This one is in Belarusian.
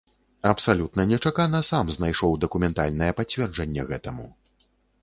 Абсалютна нечакана сам знайшоў дакументальнае пацверджанне гэтаму.